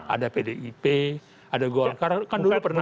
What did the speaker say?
ada pdip ada golkar kan dulu pernah